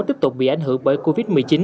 tiếp tục bị ảnh hưởng bởi covid một mươi chín